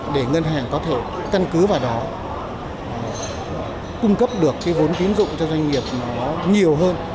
để ngân hàng có thể căn cứ vào đó cung cấp được cái vốn tín dụng cho doanh nghiệp nó nhiều hơn